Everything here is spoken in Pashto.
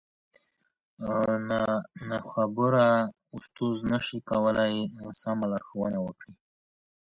ناخبره استاد نه سي کولای سمه لارښوونه وکړي.